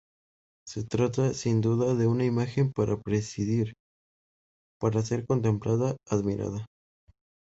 Se trata, sin duda, de una imagen para presidir, para ser contemplada, admirada.